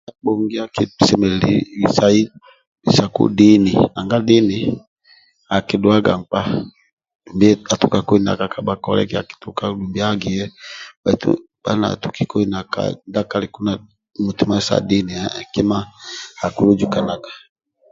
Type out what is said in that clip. Abhongia kisemelelu isai bisaku dini nanga dini akidhuaga nkpa atukakoi nakakabha kole eki dumbi agie bhaitu ndia kaluku na mutima sa dini kima akilujukanaga